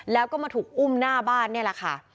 แล้วก็มาถูกอุ้มหน้าบ้านนี่แหละค่ะ